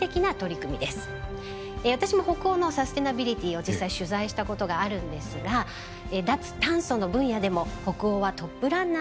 私も北欧のサステナビリティを実際取材したことがあるんですが脱炭素の分野でも北欧はトップランナーのようです。